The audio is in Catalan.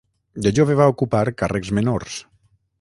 De jove va ocupar càrrecs menors.